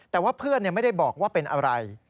แต่ว่าเพื่อนไม่ได้บอกว่าเป็นอะไร